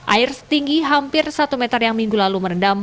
air setinggi hampir satu meter yang minggu lalu merendam